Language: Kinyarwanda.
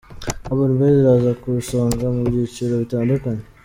Urban Boyz iraza ku isonga mu byiciro bitandukanye